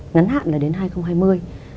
ngắn hạn là các sản phẩm của các ngành trèo việt nam